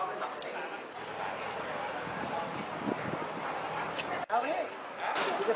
กลอด